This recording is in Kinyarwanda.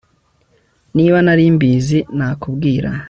niba nari mbizi, nakubwira